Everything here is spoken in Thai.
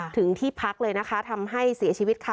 ถึงที่พักเลยนะคะทำให้เสียชีวิตค่ะ